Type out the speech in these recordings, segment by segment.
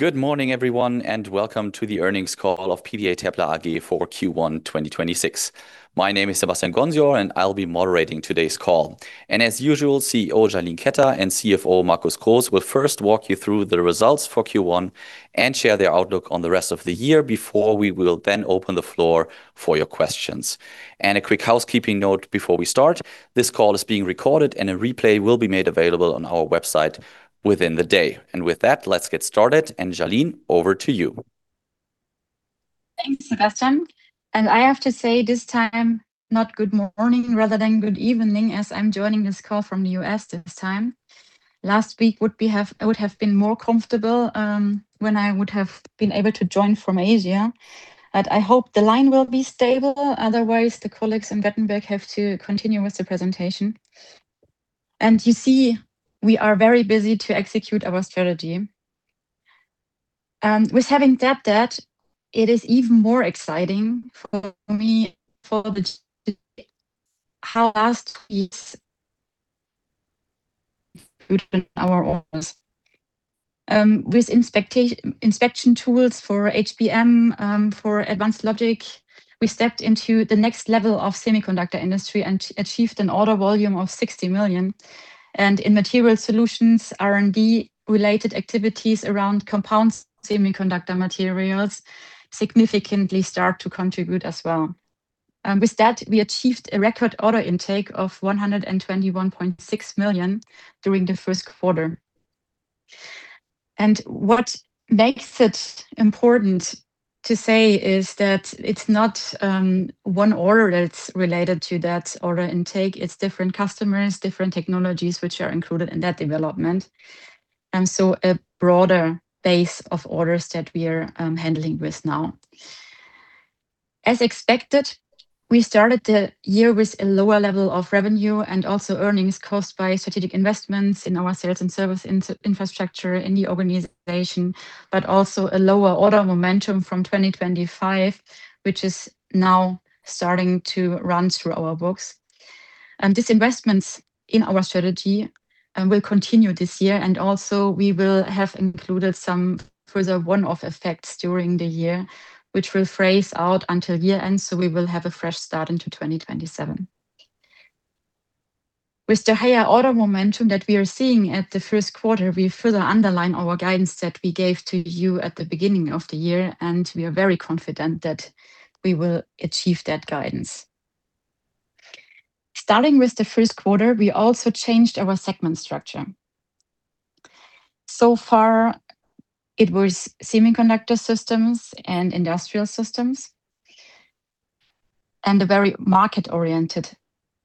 Good morning, everyone, and welcome to the earnings call of PVA TePla AG for Q1 2026. My name is Sebastian Gonsior, and I'll be moderating today's call. As usual, CEO Jalin Ketter, and CFO Markus Groß, will first walk you through the results for Q1 and share their outlook on the rest of the year before we will then open the floor for your questions. A quick housekeeping note before we start, this call is being recorded, and a replay will be made available on our website within the day. With that, let's get started, Jalin, over to you. Thanks, Sebastian. I have to say this time, not good morning, rather than good evening, as I'm joining this call from the U.S. this time. Last week I would have been more comfortable when I would have been able to join from Asia. I hope the line will be stable. Otherwise, the colleagues in Wettenberg have to continue with the presentation. You see, we are very busy to execute our strategy. With having said that, it is even more exciting for me, for the [How last week's put in our orders.] With inspection tools for HBM, for advanced logic, we stepped into the next level of semiconductor industry and achieved an order volume of 60 million. In Material Solutions, R&D-related activities around compound semiconductor materials significantly start to contribute as well. With that, we achieved a record order intake of 121.6 million during the first quarter. What makes it important to say is that it's not one order that's related to that order intake. It's different customers, different technologies which are included in that development, and so a broader base of orders that we are handling with now. As expected, we started the year with a lower level of revenue and also earnings caused by strategic investments in our sales and service infrastructure in the organization, but also a lower order momentum from 2025, which is now starting to run through our books. These investments in our strategy will continue this year. We will have included some further one-off effects during the year, which will phase out until year-end. We will have a fresh start into 2027. With the higher order momentum that we are seeing at the first quarter, we further underline our guidance that we gave to you at the beginning of the year. We are very confident that we will achieve that guidance. Starting with the first quarter, we also changed our segment structure. So far, it was Semiconductor Systems and Industrial Systems, and a very market-oriented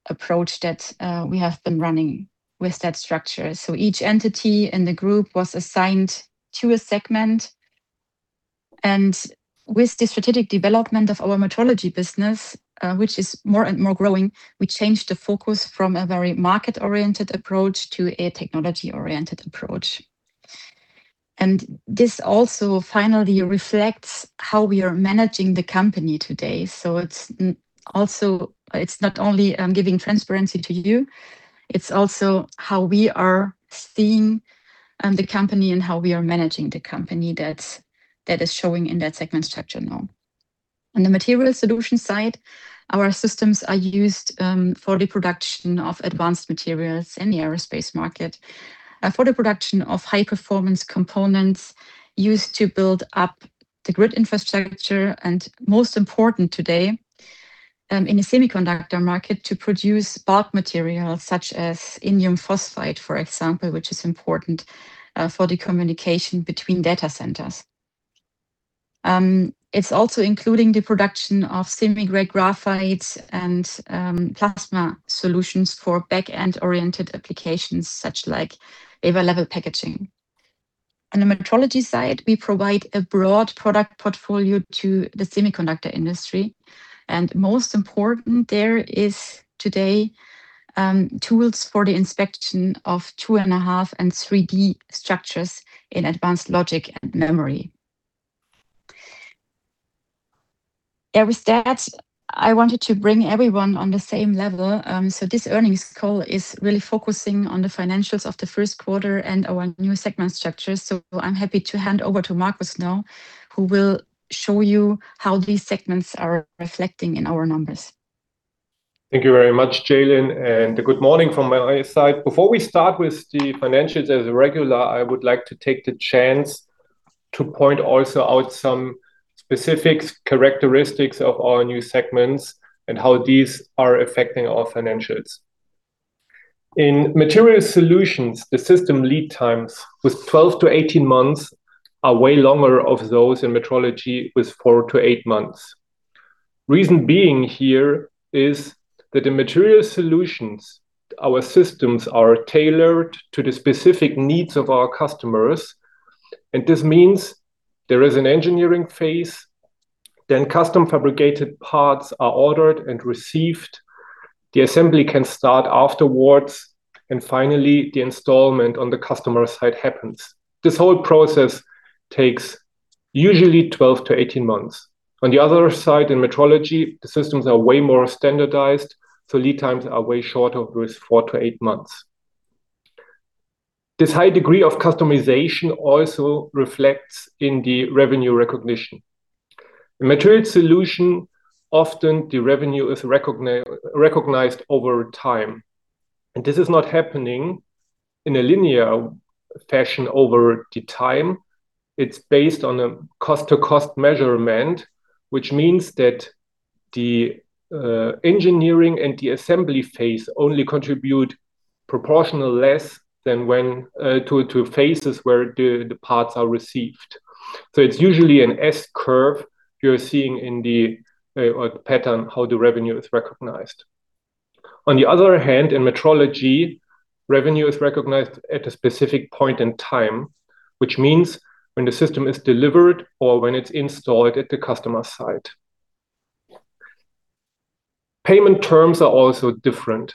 approach that we have been running with that structure. Each entity in the group was assigned to a segment. With the strategic development of our Metrology business, which is more and more growing, we changed the focus from a very market-oriented approach to a technology-oriented approach. This also finally reflects how we are managing the company today. It's not only giving transparency to you, it's also how we are seeing the company and how we are managing the company that is showing in that segment structure now. On the Material Solutions side, our systems are used for the production of advanced materials in the aerospace market, for the production of high-performance components used to build up the grid infrastructure, and most important today, in the semiconductor market, to produce bulk materials such as indium phosphide, for example, which is important for the communication between data centers. It's also including the production of semiconductor-grade graphite and plasma solutions for back-end-oriented applications, such like wafer-level packaging. On the Metrology side, we provide a broad product portfolio to the semiconductor industry. Most important, there is today, tools for the inspection of 2.5D and 3D structures in advanced logic and memory. Yeah, with that, I wanted to bring everyone on the same level. This earnings call is really focusing on the financials of the first quarter and our new segment structure. I'm happy to hand over to Markus now, who will show you how these segments are reflecting in our numbers. Thank you very much, Jalin, and good morning from my side. Before we start with the financials as a regular, I would like to take the chance to point also out some specific characteristics of our new segments and how these are affecting our financials. In Material Solutions, the system lead times with 12-18 months are way longer of those in Metrology with four to eight months. Reason being here is that the Material Solutions, our systems are tailored to the specific needs of our customers, and this means there is an engineering phase, then custom fabricated parts are ordered and received, the assembly can start afterwards, and finally, the installment on the customer side happens. This whole process takes usually 12-18 months. On the other side, in Metrology, the systems are way more standardized, so lead times are way shorter with four to eight months. This high degree of customization also reflects in the revenue recognition. In Material Solutions, often the revenue is recognized over time. This is not happening in a linear fashion over the time. It's based on a cost-to-cost measurement, which means that the engineering and the assembly phase only contribute proportional less than when to phases where the parts are received. It's usually an S-curve you're seeing in the pattern how the revenue is recognized. On the other hand, in Metrology, revenue is recognized at a specific point in time, which means when the system is delivered or when it's installed at the customer site. Payment terms are also different.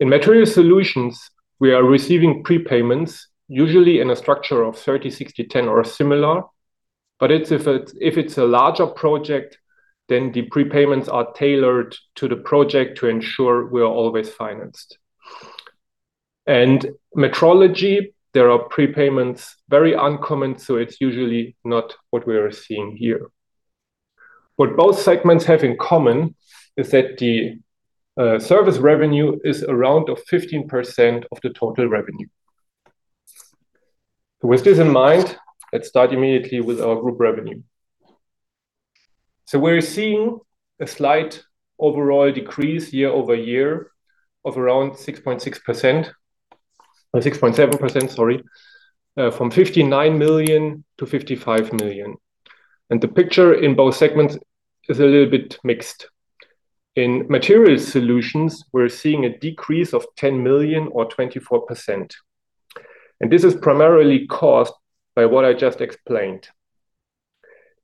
In Material Solutions, we are receiving prepayments, usually in a structure of 30-60-10 or similar. If it's a larger project, then the prepayments are tailored to the project to ensure we are always financed. Metrology, there are prepayments, very uncommon, it's usually not what we are seeing here. What both segments have in common is that the service revenue is around of 15% of the total revenue. With this in mind, let's start immediately with our group revenue. We're seeing a slight overall decrease year-over-year of around 6.6%, 6.7%, sorry, from 59 million to 55 million. The picture in both segments is a little bit mixed. In Material Solutions, we're seeing a decrease of 10 million or 24%. This is primarily caused by what I just explained.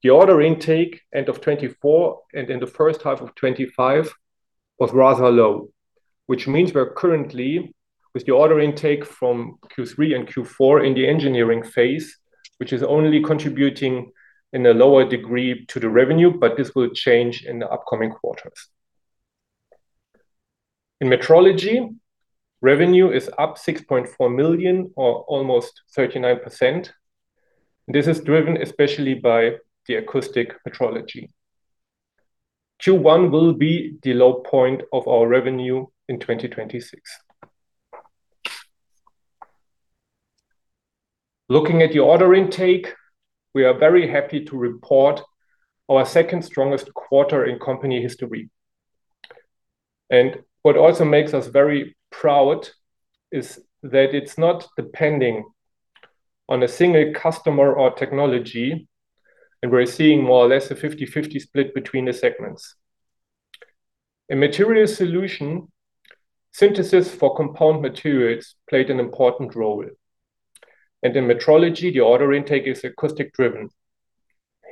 The order intake end of 2024 and in the first half of 2025 was rather low, which means we're currently with the order intake from Q3 and Q4 in the engineering phase, which is only contributing in a lower degree to the revenue, but this will change in the upcoming quarters. In Metrology, revenue is up 6.4 million or almost 39%. This is driven especially by the acoustic metrology. Q1 will be the low point of our revenue in 2026. Looking at the order intake, we are very happy to report our second strongest quarter in company history. What also makes us very proud is that it's not depending on a single customer or technology, and we're seeing more or less a 50/50 split between the segments. In Material Solutions, synthesis for compound materials played an important role. In Metrology, the order intake is acoustic-driven.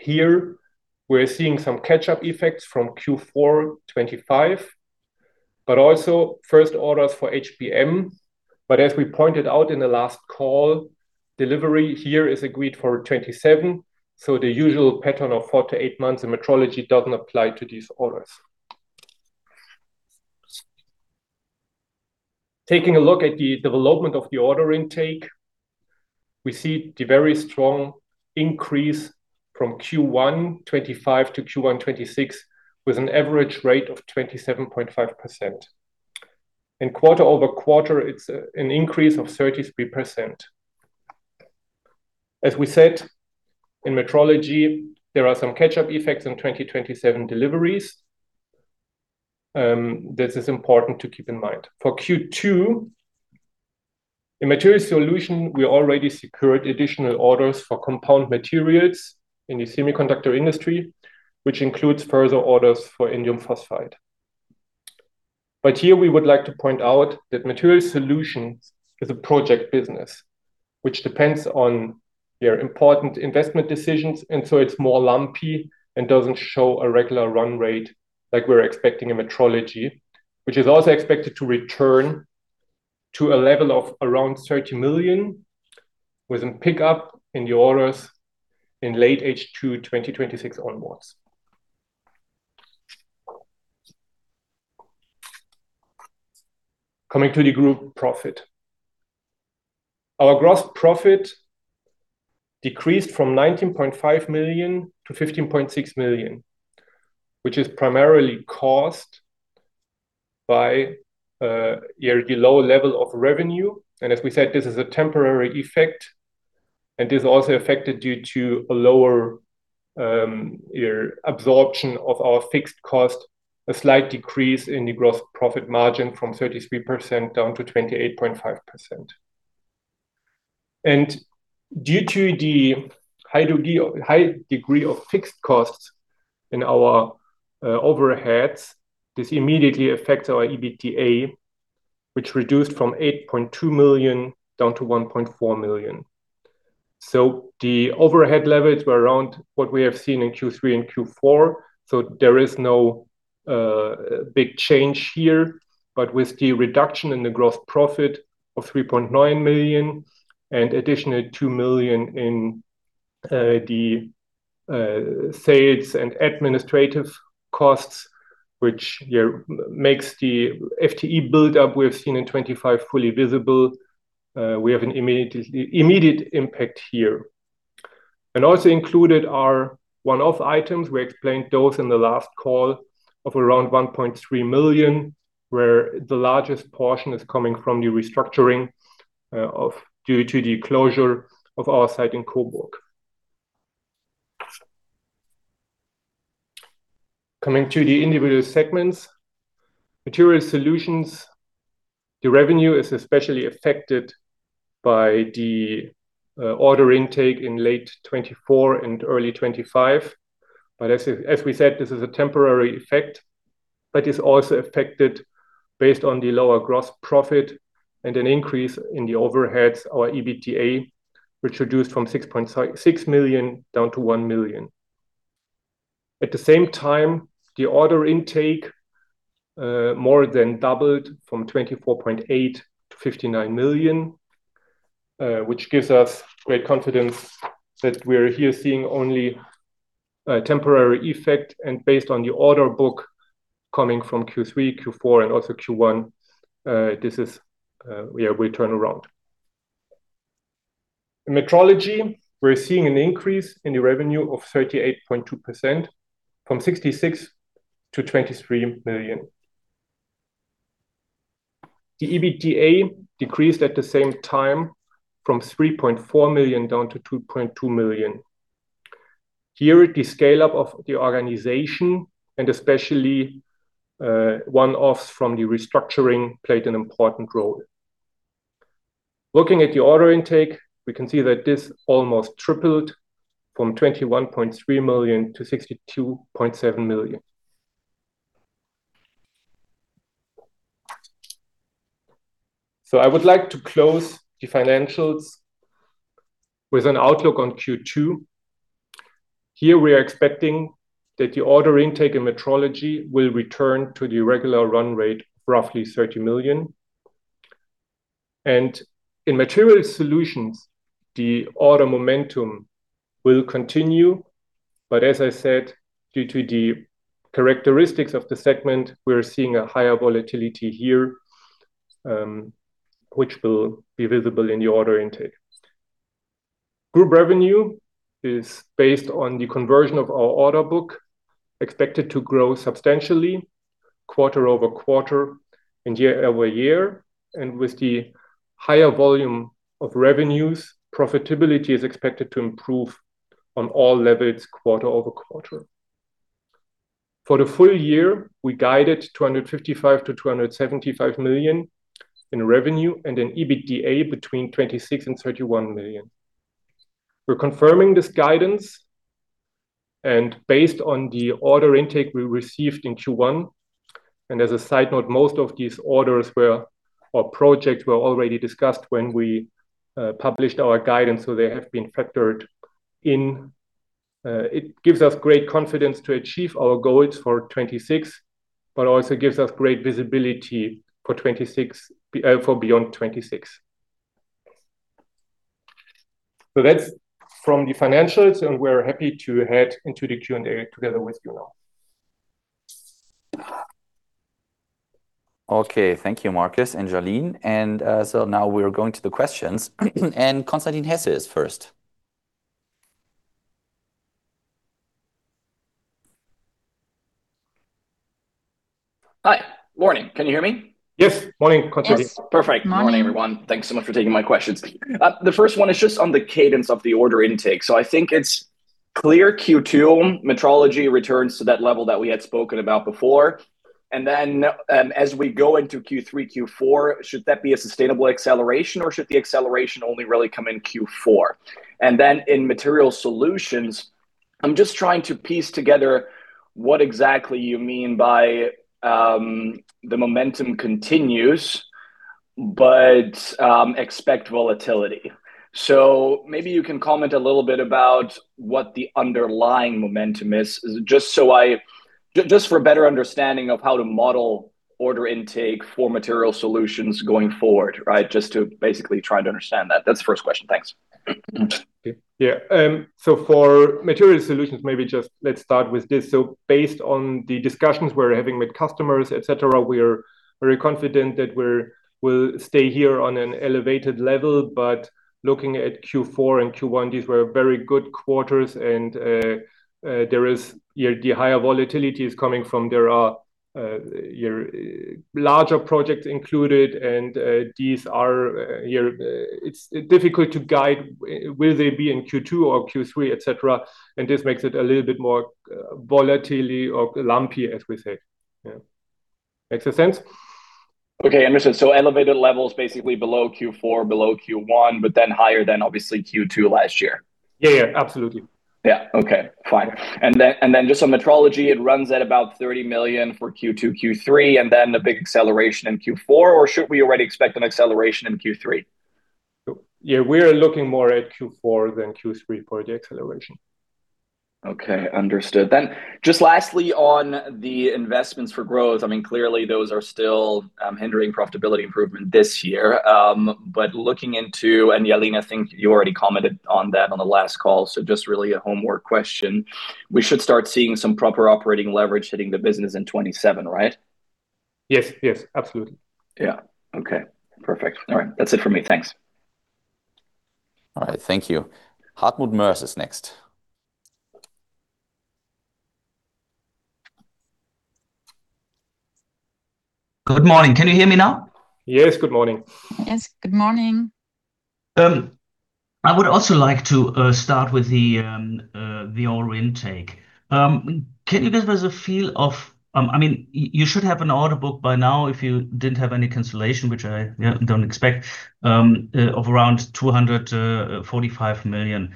Here, we're seeing some catch-up effects from Q4 2025, but also first orders for HBM. As we pointed out in the last call, delivery here is agreed for 2027, so the usual pattern of four to eight months in Metrology doesn't apply to these orders. Taking a look at the development of the order intake, we see the very strong increase from Q1 2025 to Q1 2026 with an average rate of 27.5%. In quarter-over-quarter, it's an increase of 33%. As we said, in Metrology, there are some catch-up effects in 2027 deliveries. This is important to keep in mind. For Q2, in Material Solutions, we already secured additional orders for compound materials in the semiconductor industry, which includes further orders for indium phosphide. Here, we would like to point out that Material Solutions is a project business, which depends on your important investment decisions, so it's more lumpy and doesn't show a regular run rate like we're expecting in Metrology, which is also expected to return to a level of around 30 million with a pickup in the orders in late H2 2026 onwards. Coming to the group profit, our gross profit decreased from 19.5 million to 15.6 million, which is primarily caused by the low level of revenue. As we said, this is a temporary effect, and this also affected due to a lower absorption of our fixed cost, a slight decrease in the gross profit margin from 33% down to 28.5%. Due to the high degree of fixed costs in our overheads, this immediately affects our EBITDA, which reduced from 8.2 million down to 1.4 million. The overhead levels were around what we have seen in Q3 and Q4, there is no big change here, but with the reduction in the growth profit of 3.9 million and additional 2 million in the sales and administrative costs, which, makes the FTE buildup we have seen in 2025 fully visible. We have an immediate impact here. Also included are one-off items, we explained those in the last call of around 1.3 million, where the largest portion is coming from the restructuring due to the closure of our site in Coburg. Coming to the individual segments. Material Solutions, the revenue is especially affected by the order intake in late 2024 and early 2025. As we said, this is a temporary effect, but it's also affected based on the lower gross profit and an increase in the overheads, our EBITDA, which reduced from 6.6 million down to 1 million. At the same time, the order intake more than doubled from 24.8 to 59 million, which gives us great confidence that we're here seeing only a temporary effect, and based on the order book coming from Q3, Q4, and also Q1, this is where we turn around. In Metrology, we're seeing an increase in the revenue of 38.2% from 66 million to 23 million. The EBITDA decreased at the same time from 3.4 million down to 2.2 million. Here, the scale-up of the organization, and especially, one-offs from the restructuring played an important role. Looking at the order intake, we can see that this almost tripled from 21.3 million to 62.7 million. I would like to close the financials with an outlook on Q2. Here we are expecting that the order intake and Metrology will return to the regular run rate of roughly 30 million. In Material Solutions, the order momentum will continue, but as I said, due to the characteristics of the segment, we are seeing a higher volatility here, which will be visible in the order intake. Group revenue is based on the conversion of our order book expected to grow substantially quarter-over-quarter and year-over-year, and with the higher volume of revenues, profitability is expected to improve on all levels quarter-over-quarter. For the full year, we guided 255 million-275 million in revenue and an EBITDA between 26 million and 31 million. We're confirming this guidance based on the order intake we received in Q1. As a side note, most of these orders were, or projects were already discussed when we published our guidance, they have been factored in. It gives us great confidence to achieve our goals for 2026, but also gives us great visibility for 2026, for beyond 2026. That's from the financials, we're happy to head into the Q&A together with you now. Okay. Thank you, Markus and Jalin. Now we're going to the questions. Constantin Hesse is first. Hi. Morning. Can you hear me? Yes. Morning, Constantin. Yes. Morning. Perfect. Morning, everyone. Thanks so much for taking my questions. The first one is just on the cadence of the order intake. I think it's clear Q2 Metrology returns to that level that we had spoken about before. As we go into Q3, Q4, should that be a sustainable acceleration or should the acceleration only really come in Q4? In Material Solutions, I'm just trying to piece together what exactly you mean by the momentum continues, but expect volatility. Maybe you can comment a little bit about what the underlying momentum is, just for a better understanding of how to model order intake for Material Solutions going forward, right? Just to basically try to understand that. That's the first question. Thanks. For Material Solutions, maybe just let's start with this. Based on the discussions we're having with customers, et cetera, we'll stay here on an elevated level. Looking at Q4 and Q1, these were very good quarters and there is, the higher volatility is coming from there are, larger projects included and these are, it's difficult to guide will they be in Q2 or Q3, et cetera, and this makes it a little bit more volatile or lumpy, as we say. Makes sense? Okay. Understood. Elevated levels basically below Q4, below Q1, but then higher than obviously Q2 last year. Yeah, yeah. Absolutely. Yeah. Okay. Fine. Then, just on metrology, it runs at about 30 million for Q2, Q3, and then a big acceleration in Q4? Should we already expect an acceleration in Q3? Yeah, we are looking more at Q4 than Q3 for the acceleration. Okay. Understood. Just lastly on the investments for growth, I mean, clearly those are still hindering profitability improvement this year. But looking into, Jalin, I think you already commented on that on the last call, so just really a homework question. We should start seeing some proper operating leverage hitting the business in 2027, right? Yes. Yes. Absolutely. Yeah. Okay. Perfect. All right. That's it for me. Thanks. All right. Thank you. Hartmut Moers is next. Good morning. Can you hear me now? Yes. Good morning. Yes. Good morning. I would also like to start with the order intake. Can you give us a feel of I mean, you should have an order book by now if you didn't have any cancellation, which I, yeah, don't expect, of around 245 million.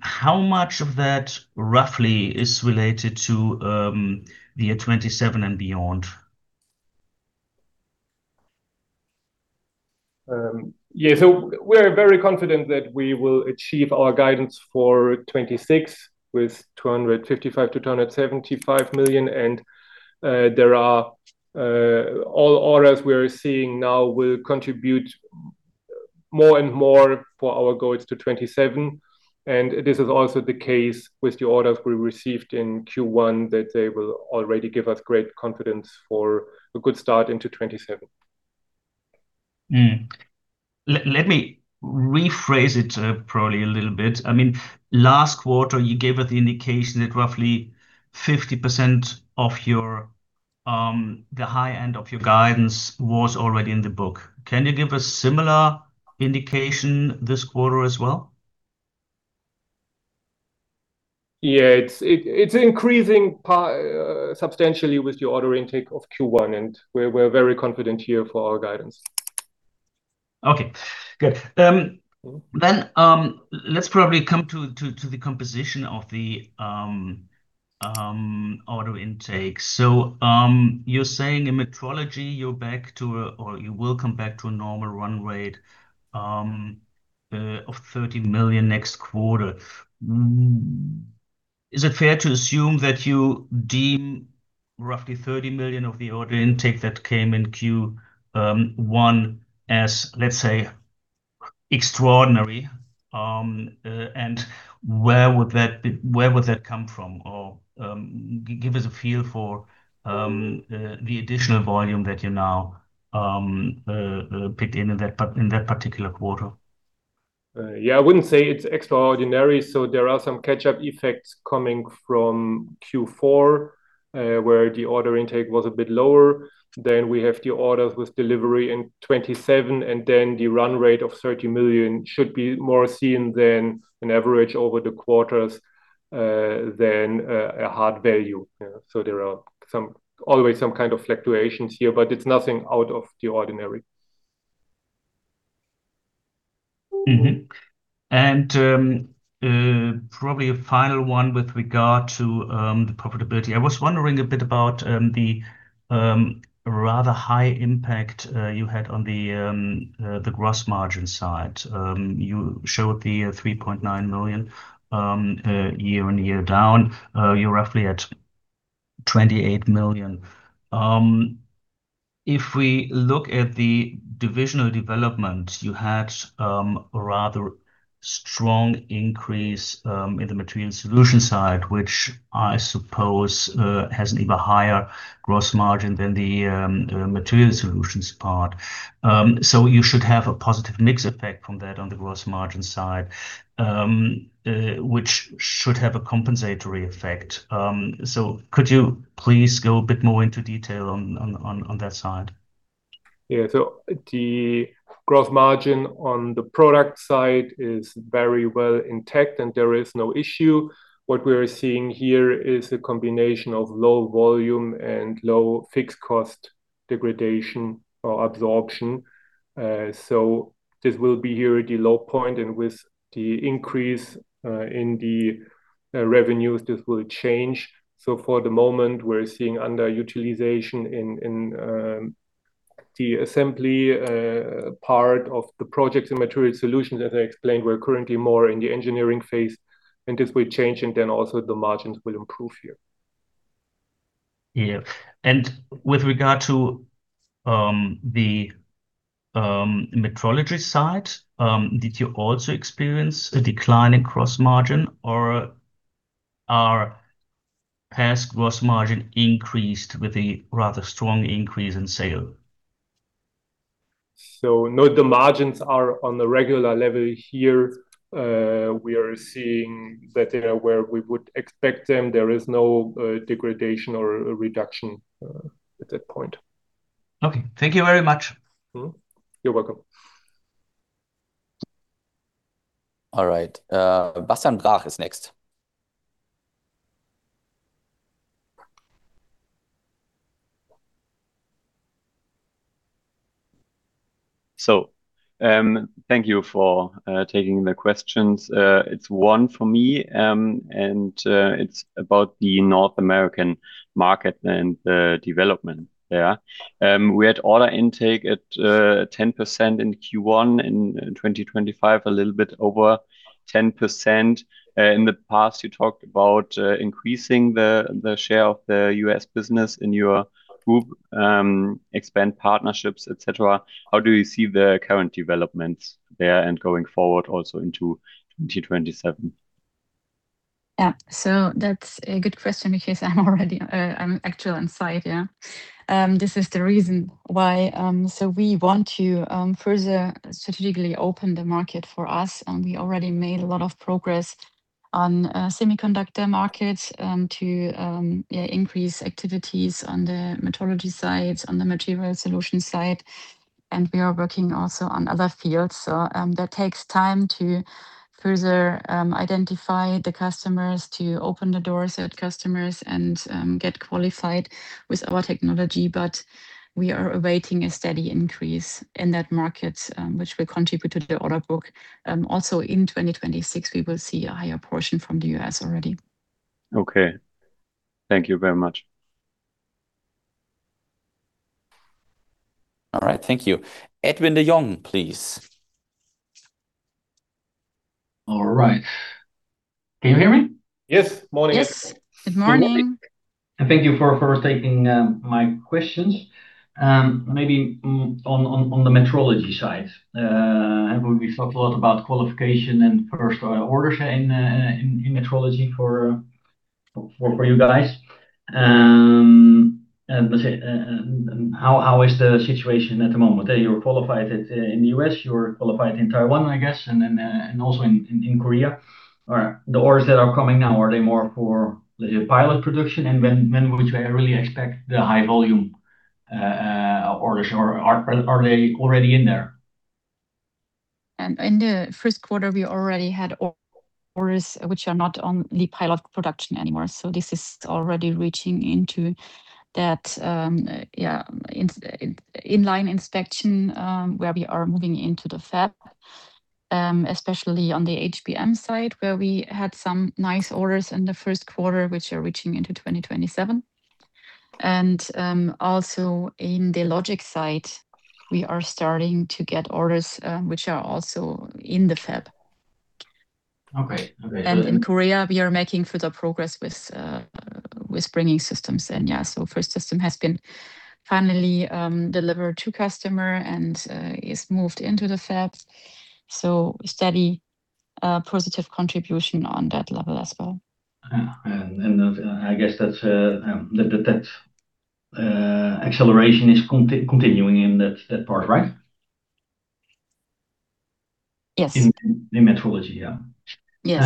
How much of that roughly is related to the year 2027 and beyond? Yeah, we're very confident that we will achieve our guidance for 2026 with 255 million-275 million and, there are, all orders we are seeing now will contribute more and more for our goals to 2027, and this is also the case with the orders we received in Q1, that they will already give us great confidence for a good start into 2027. Let me rephrase it, probably a little bit. I mean, last quarter you gave us the indication that roughly 50% of your, the high end of your guidance was already in the book. Can you give a similar indication this quarter as well? Yeah. It's increasing substantially with the order intake of Q1, and we're very confident here for our guidance. Okay, good. Then, let's probably come to the composition of the order intake. You're saying in metrology you're back to or you will come back to a normal run rate of 30 million next quarter. Is it fair to assume that you deem roughly 30 million of the order intake that came in Q1 as, let's say, extraordinary, and where would that come from? Give us a feel for the additional volume that you now picked in that particular quarter. I wouldn't say it's extraordinary. There are some catch-up effects coming from Q4, where the order intake was a bit lower. We have the orders with delivery in 2027, the run rate of 30 million should be more seen than an average over the quarters than a hard value. There are always some kind of fluctuations here, but it's nothing out of the ordinary. Probably a final one with regard to the profitability. I was wondering a bit about the rather high impact you had on the gross margin side. You showed the 3.9 million year-over-year down, you're roughly at 28 million. If we look at the divisional development, you had a rather strong increase in the Material Solutions side, which I suppose has an even higher gross margin than the Material Solutions part. You should have a positive mix effect from that on the gross margin side, which should have a compensatory effect. Could you please go a bit more into detail on that side? Yeah. The gross margin on the product side is very well intact, and there is no issue. What we are seeing here is a combination of low volume and low fixed cost degradation or absorption. This will be here at the low point, and with the increase in the revenues, this will change. For the moment, we're seeing underutilization in the assembly part of the projects and Material Solutions. As I explained, we're currently more in the engineering phase, and this will change and then also the margins will improve here. Yeah. With regard to the metrology side, did you also experience a decline in gross margin or are past gross margin increased with a rather strong increase in sale? No, the margins are on the regular level here. We are seeing that they are where we would expect them. There is no degradation or reduction at that point. Okay. Thank you very much. You're welcome. All right. Bastian Brach is next. Thank you for taking the questions. It's one for me, and it's about the North American market and the development there. We had order intake at 10% in Q1, in 2025 a little bit over 10%. In the past you talked about increasing the share of the U.S. business in your group, expand partnerships, et cetera. How do you see the current developments there and going forward also into 2027? Yeah. That's a good question because I'm actually inside, yeah. This is the reason why we want to further strategically open the market for us, and we already made a lot of progress on semiconductor markets to increase activities on the Metrology side, on the Material Solutions side, and we are working also on other fields. That takes time to further identify the customers, to open the doors at customers and get qualified with our technology. We are awaiting a steady increase in that market, which will contribute to the order book. Also in 2026, we will see a higher portion from the U.S. already. Okay. Thank you very much. All right. Thank you. Edwin de Jong, please. All right. Can you hear me? Yes. Morning. Yes. Good morning. Good morning, thank you for taking my questions. Maybe on the Metrology side, we talked a lot about qualification and first orders in Metrology for you guys. Let's say, how is the situation at the moment? You're qualified at in the U.S., you're qualified in Taiwan, I guess, and then also in Korea. Are the orders that are coming now, are they more for the pilot production? When would you really expect the high volume orders or are they already in there? In the first quarter we already had orders which are not only pilot production anymore, so this is already reaching into that, yeah, in-line inspection, where we are moving into the fab, especially on the HBM side, where we had some nice orders in the first quarter, which are reaching into 2027. Also in the logic side, we are starting to get orders, which are also in the fab. Okay. Okay. In Korea, we are making further progress with bringing systems in. first system has been finally delivered to customer and is moved into the fab. steady positive contribution on that level as well. Yeah. That, I guess that's, that acceleration is continuing in that part, right? Yes. In Metrology, yeah. Yes.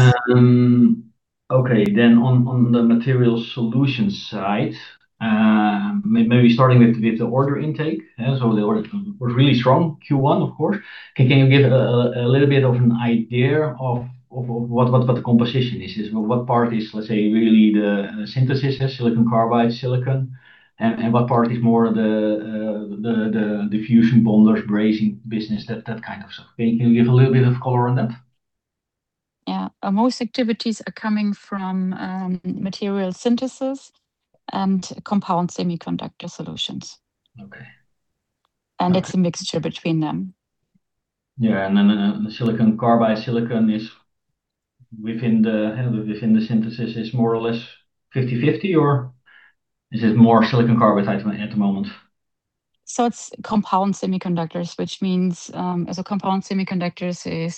Okay. On the Material Solutions side, maybe starting with the order intake. Yeah. The order was really strong, Q1, of course. Can you give a little bit of an idea of what the composition is? What part is, let's say, really the synthesis of silicon carbide, silicon, and what part is more the diffusion bonders brazing business, that kind of stuff? Can you give a little bit of color on that? Yeah. Most activities are coming from material synthesis and compound semiconductor solutions. Okay. It's a mixture between them. Yeah. The silicon carbide, silicon is within the within the synthesis is more or less 50/50, or is it more silicon carbide at the moment? It's compound semiconductors, which means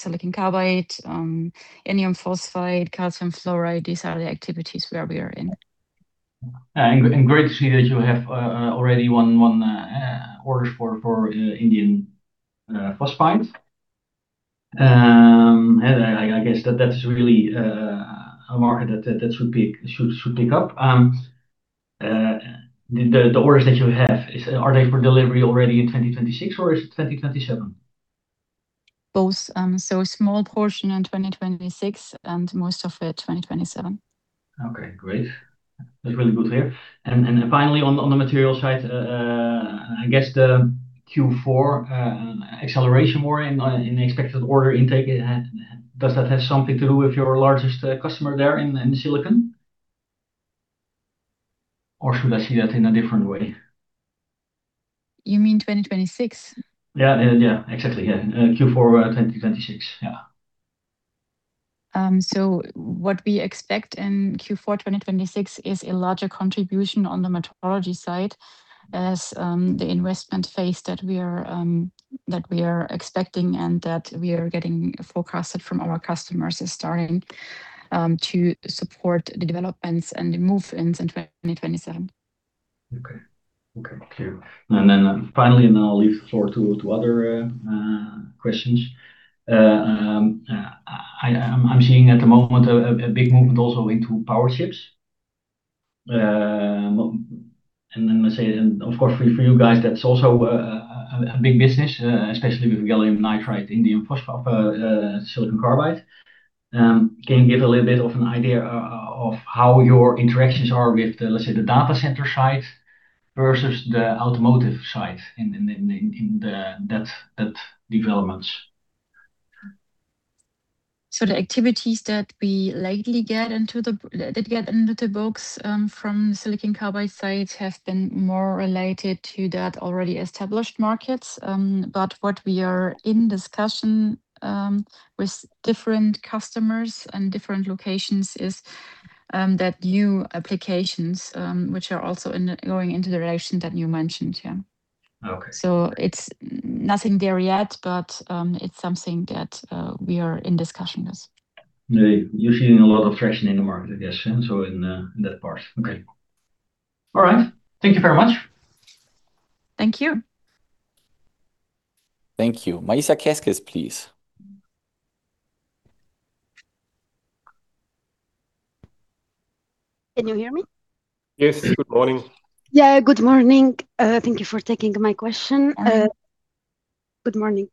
silicon carbide, indium phosphide, calcium fluoride. These are the activities where we are in. Great to see that you have already won orders for indium phosphide. I guess that that's really a market that should pick up. The orders that you have, are they for delivery already in 2026 or is it 2027? Both. A small portion in 2026 and most of it 2027. Okay, great. That's really good to hear. Finally, on the material side, I guess the Q4 acceleration more in expected order intake, does that have something to do with your largest customer there in silicon? Or should I see that in a different way? You mean 2026? Yeah. Yeah. Exactly, yeah. Q4 2026. Yeah. What we expect in Q4 2026 is a larger contribution on the Metrology side as the investment phase that we are expecting and that we are getting forecasted from our customers is starting to support the developments and the move into 2027. Okay. Okay. Thank you. Finally, I'll leave the floor to other questions. I'm seeing at the moment a big movement also into power chips. I say then, of course, for you guys, that's also a big business, especially with gallium nitride, indium phosphide, silicon carbide. Can you give a little bit of an idea of how your interactions are with the, let's say, the data center side versus the automotive side in the developments? The activities that we lately get into the books from silicon carbide side have been more related to that already established markets. What we are in discussion with different customers and different locations is that new applications which are also going into the direction that you mentioned. Okay. It's nothing there yet, but it's something that we are in discussion, yes. You're seeing a lot of traction in the market, I guess, yeah, so in that part. Okay. All right. Thank you very much. Thank you. Thank you. Maïssa Keskes, please. Can you hear me? Yes. Good morning. Yeah, good morning. Thank you for taking my question. Good morning.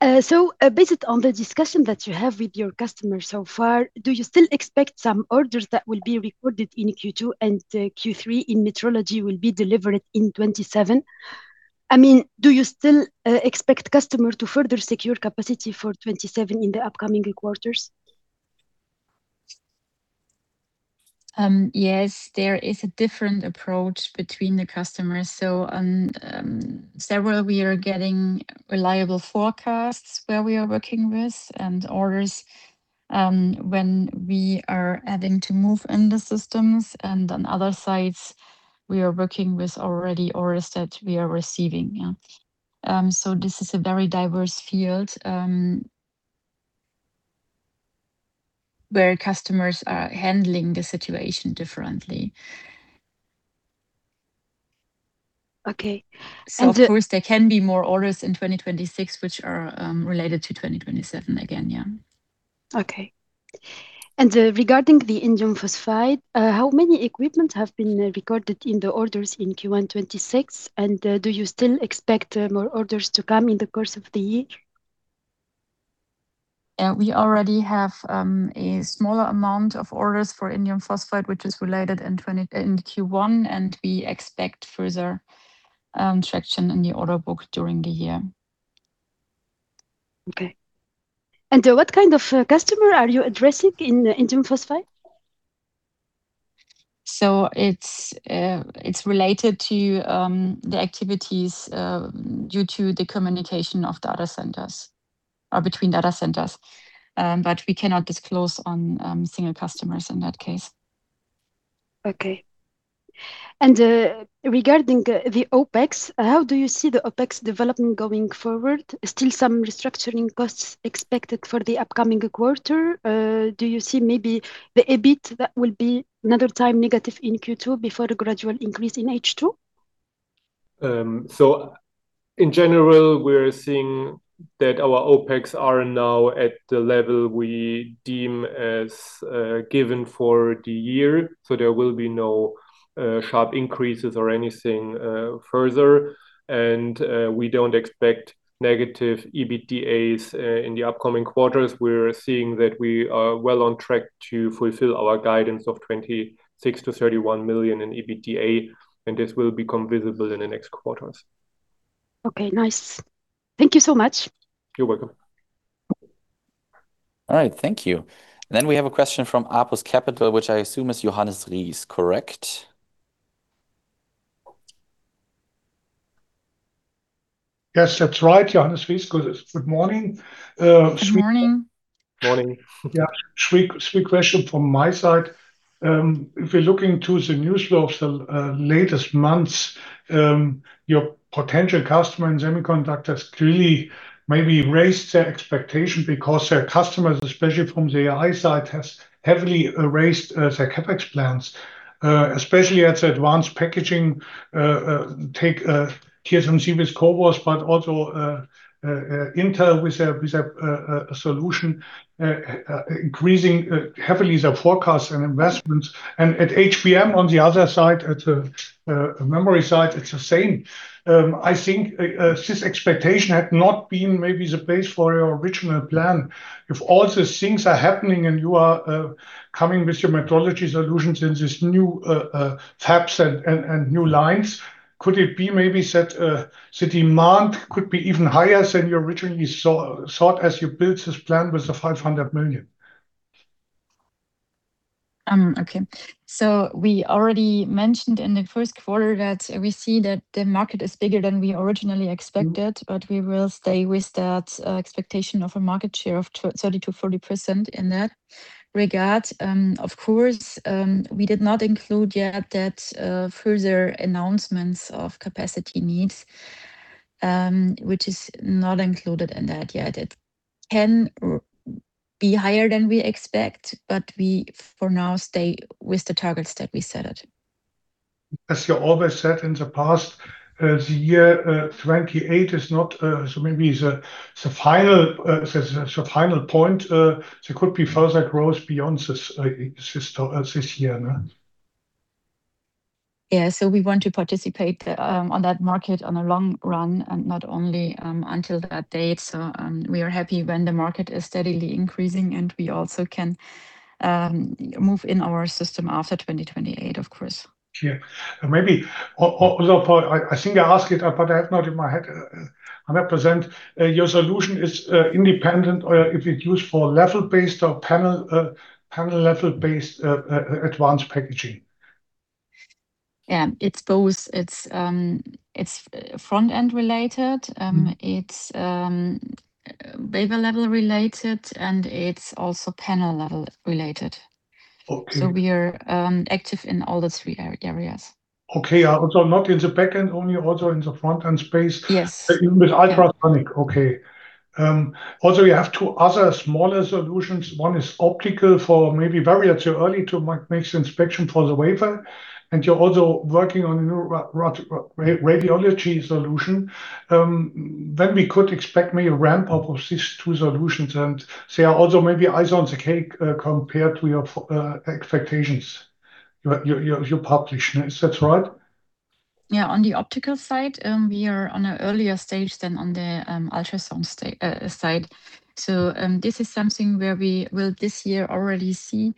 Based on the discussion that you have with your customers so far, do you still expect some orders that will be recorded in Q2 and Q3 in Metrology will be delivered in 2027? I mean, do you still expect customer to further secure capacity for 2027 in the upcoming quarters? Yes, there is a different approach between the customers. Several we are getting reliable forecasts where we are working with and orders, when we are adding to move in the systems and onother sides we are working with already orders that we are receiving now. This is a very diverse field, where customers are handling the situation differently. Okay. Of course, there can be more orders in 2026 which are related to 2027 again, yeah. Okay. Regarding the indium phosphide, how many equipment have been recorded in the orders in Q1 2026? Do you still expect more orders to come in the course of the year? We already have a smaller amount of orders for indium phosphide, which is related in Q1, and we expect further traction in the order book during the year. Okay. What kind of customer are you addressing in the indium phosphide? It's related to the activities due to the communication of data centers or between data centers. We cannot disclose on single customers in that case. Okay. Regarding the OpEx, how do you see the OpEx development going forward? Still some restructuring costs expected for the upcoming quarter? Do you see maybe the EBITDA that will be another time negative in Q2 before the gradual increase in H2? In general, we're seeing that our OpEx are now at the level we deem as given for the year. There will be no sharp increases or anything further. We don't expect negative EBITDAs in the upcoming quarters. We're seeing that we are well on track to fulfill our guidance of 26 million-31 million in EBITDA, and this will become visible in the next quarters. Okay, nice. Thank you so much. You're welcome. All right, thank you. We have a question from APUS Capital, which I assume is Johannes Ries, correct? Yes, that's right. Johannes Ries. Good morning. Good morning. Morning. Yeah. Sweet question from my side. If you're looking to the news flow of the latest months, your potential customer in semiconductors clearly maybe raised their expectation because their customers, especially from the AI side, has heavily raised their CapEx plans, especially at the advanced packaging. Take TSMC with CoWoS, but also Intel with a solution increasing heavily their forecast and investments. At HBM on the other side, at memory side, it's the same. I think this expectation had not been maybe the base for your original plan. If all the things are happening and you are coming with your metrology solutions in this new fabs and new lines, could it be maybe that the demand could be even higher than you originally saw, thought as you built this plan with the 500 million? Okay. We already mentioned in the first quarter that we see that the market is bigger than we originally expected. We will stay with that expectation of a market share of 30%-40% in that regard. Of course, we did not include yet that further announcements of capacity needs, which is not included in that yet. It can be higher than we expect, but we, for now, stay with the targets that we set it. As you always said in the past, the year 2028 is not so maybe the final point. There could be further growth beyond this year? Yeah. We want to participate on that market on a long run and not only until that date. We are happy when the market is steadily increasing, and we also can move in our system after 2028, of course. Yeah. Maybe or I think I ask it, but I have not in my head, I represent, your solution is independent or if it's used for level-based or panel level-based advanced packaging? Yeah. It's both. It's front-end related. It's wafer level related, and it's also panel level related. Okay. We are active in all the three areas. Okay. Also not in the back-end, only also in the front-end space. Yes With ultrasonic. Okay. You have two other smaller solutions. One is optical for maybe very too early to make the inspection for the wafer, and you're also working on a new metrology solution, when we could expect maybe a ramp-up of these two solutions and say also maybe ice on the cake, compared to your expectations, your publish. That's right? On the optical side, we are on a earlier stage than on the ultrasound side. This is something where we will this year already see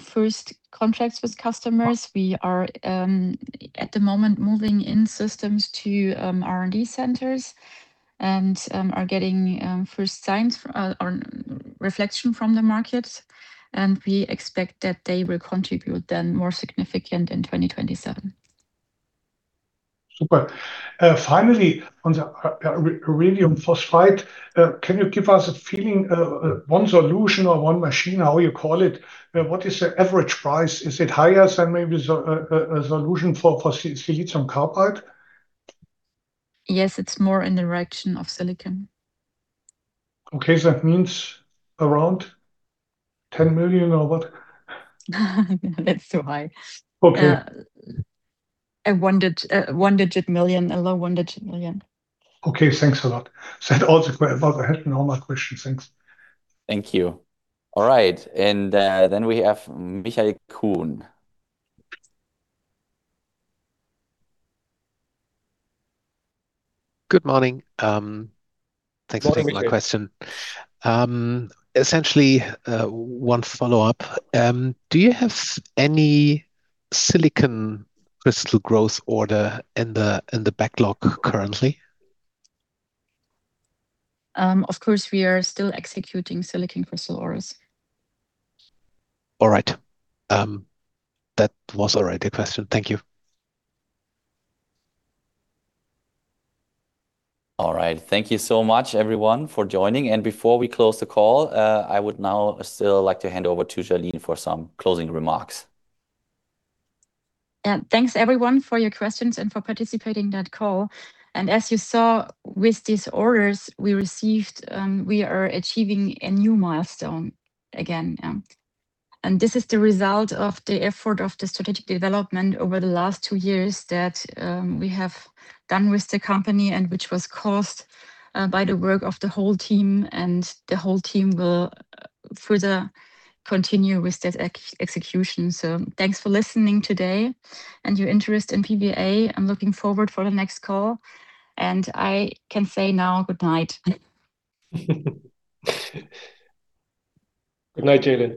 first contracts with customers. We are at the moment moving in systems to R&D centers and are getting first signs from or reflection from the market. We expect that they will contribute then more significant in 2027. Super. Finally, on the indium phosphide, can you give us a feeling, one solution or one machine, how you call it, what is the average price? Is it higher than maybe a solution for silicon carbide? Yes. It's more in the direction of silicon. Okay. It means around 10 million or what? That's too high. Okay. 1 digit million. A low 1 digit million. Okay. Thanks a lot. Also I thought I had no more questions. Thanks. Thank you. All right. We have Michael Kuhn. Good morning. Thanks for taking my question. Good morning, Michael. Essentially, one follow-up. Do you have any silicon crystal growth order in the backlog currently? Of course, we are still executing silicon crystal orders. All right. That was already the question. Thank you. All right. Thank you so much, everyone, for joining. Before we close the call, I would now still like to hand over to Jalin Ketter for some closing remarks. Thanks everyone for your questions and for participating that call. As you saw with these orders we received, we are achieving a new milestone again. This is the result of the effort of the strategic development over the last two years that we have done with the company and which was caused by the work of the whole team, and the whole team will further continue with that execution. Thanks for listening today and your interest in PVA. I'm looking forward for the next call, and I can say now good night. Good night, Jalin.